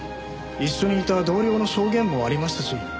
一緒にいた同僚の証言もありましたし。